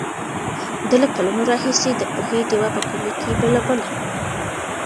ده له کلونو راهیسې د پوهې ډېوه په کلي کې بلوله.